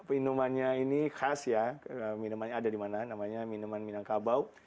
minumannya ini khas ya minuman yang ada dimana namanya minuman minangkabau